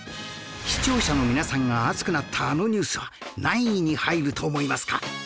視聴者の皆さんが熱くなったあのニュースは何位に入ると思いますか？